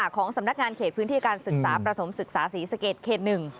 ของสำนักงานเขตพื้นที่การศึกษาประถมศึกษาศรีสะเกดเขต๑